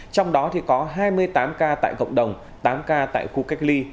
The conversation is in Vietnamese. trong đó có hai mươi tám ca tại cộng đồng tám ca tại khu cách ly